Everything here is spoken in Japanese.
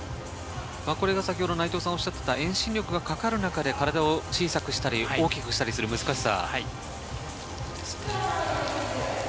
先ほど内藤さんがおっしゃっていた、遠心力がかかる中で体を小さくしたり、大きくしたりする難しさ。